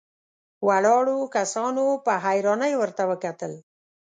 ولاړو کسانو په حيرانۍ ورته وکتل.